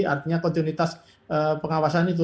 artinya kontinuitas pengawasan itu